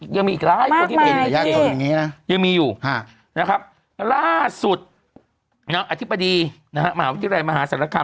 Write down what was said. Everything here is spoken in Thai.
ยังมีอีกร้ายมากมายยังมีอยู่นะครับล่าสุดอธิบดีมหาวิทยาลัยมหาศาลกรรม